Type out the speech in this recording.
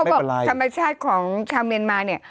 บอกธรรมชาติของชาวเมียนมาเนี่ย